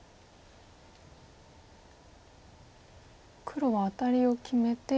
黒はアタリを決めて。